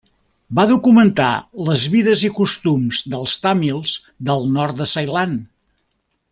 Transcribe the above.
Va documentar les vides i costums dels tàmils del nord de Ceilan.